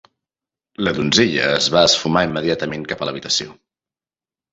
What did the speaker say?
La donzella es va esfumar immediatament cap a l'habitació.